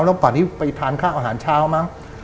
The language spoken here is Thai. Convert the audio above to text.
แล้วป่านี้ไปทานข้าวอาหารเช้ามั้ง